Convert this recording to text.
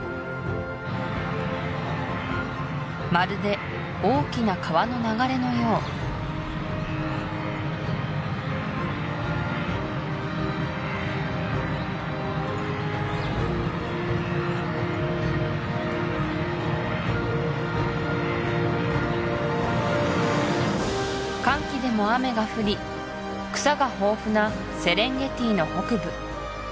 まるで大きな川の流れのよう乾季でも雨が降り草が豊富なセレンゲティの北部